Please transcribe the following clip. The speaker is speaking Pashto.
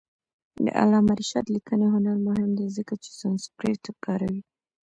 د علامه رشاد لیکنی هنر مهم دی ځکه چې سانسکریت کاروي.